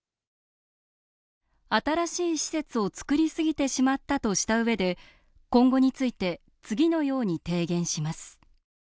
新しい施設を造りすぎてしまったとしたうえで今後について次のように提言します